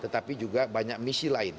tetapi juga banyak misi lain